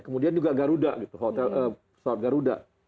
kemudian juga garuda suara garuda